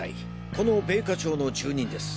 この米花町の住人です。